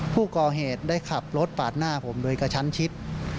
ผู้ก่อเหตุได้ขับรถปาดหน้าผมโดยกระชั้นชิด